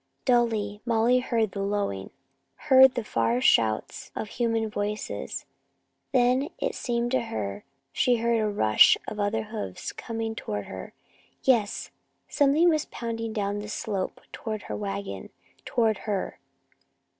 Dully, Molly heard the lowing, heard the far shouts of human voices. Then, it seemed to her, she heard a rush of other hoofs coming toward her. Yes, something was pounding down the slope toward her wagon, toward her.